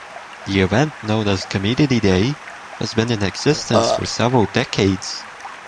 The event, known as Community Day, has been in existence for several decades.